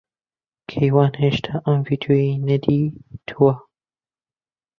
کەیوان ھێشتا ئەم ڤیدیۆیەی نەدیتووە.